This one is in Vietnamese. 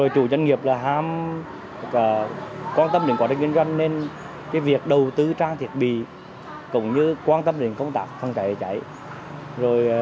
chủ doanh nghiệp hàm quan tâm đến quá trình doanh nghiệp nên việc đầu tư trang thiết bị cũng như quan tâm đến công tác phòng cháy chữa cháy